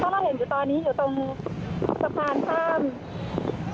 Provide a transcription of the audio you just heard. เพราะตอนนี้ก็ไม่มีเวลาให้เข้าไปที่นี่